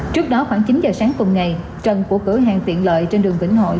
trước đó khoảng chín giờ sáng cùng ngày trần của cửa hàng tiện lợi trên đường vĩnh hội